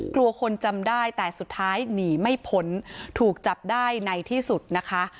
กลัวคนจำได้แต่สุดท้ายหนีไม่พ้นถูกจับได้ในที่สุดนะคะ